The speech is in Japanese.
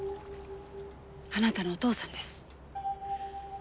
あなたのお父さんです。